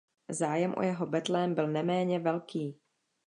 Zájem o jeho betlém byl neméně velký.